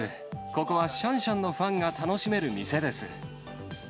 ここはシャンシャンのファンが楽しめる店です。